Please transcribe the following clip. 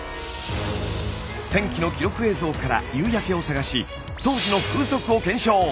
天気の記録映像から夕焼けを探し当時の風速を検証。